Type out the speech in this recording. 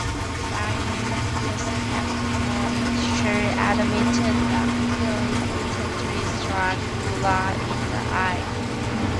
During this testimony, Shull admitted that he repeatedly struck Woodard in the eyes.